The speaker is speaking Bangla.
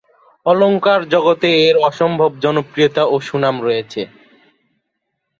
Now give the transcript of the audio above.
অলঙ্কার জগতে এর অসম্ভব জনপ্রিয়তা ও সুনাম রয়েছে।